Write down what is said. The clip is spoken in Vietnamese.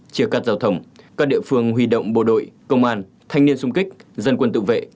chia cắt giao thông các địa phương huy động bộ đội công an thanh niên sung kích dân quân tự vệ